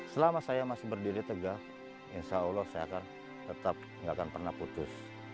selama saya masih berdiri tegak insya allah saya akan tetap gak akan pernah putus